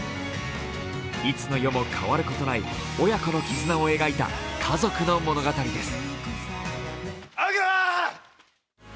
いつの世も変わることない親子の絆を描いた家族の物語です。